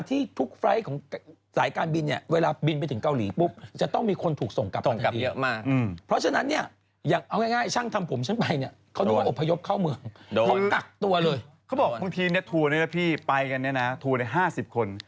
ตัวเลยเขาบอกบางทีเนี้ยทัวร์เนี้ยแหละพี่ไปกันเนี้ยน่ะทัวร์ในห้าสิบคน